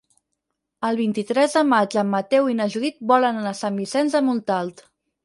El vint-i-tres de maig en Mateu i na Judit volen anar a Sant Vicenç de Montalt.